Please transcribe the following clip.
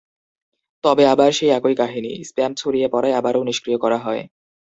তবে আবারও সেই একই কাহিনি—স্প্যাম ছড়িয়ে পড়ায় আবারও নিষ্ক্রিয় করা হয়।